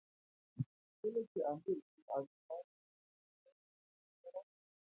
کله چې امیر شېر علي خان د غزني په جنګ کې ماته وخوړه.